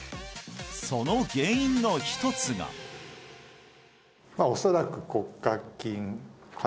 その原因の一つが恐らく骨格筋？